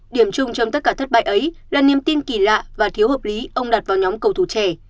điểm chung trong tất cả thất bại ấy là niềm tin kỳ lạ và thiếu hợp lý ông đặt vào nhóm cầu thủ trẻ